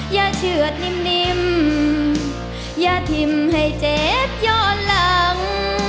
อย่าเฉือดนิ่มอย่าทิ้มให้เจ็บย้อนหลัง